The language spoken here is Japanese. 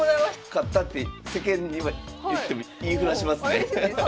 「勝った」って世間には言っても言いふらしますね。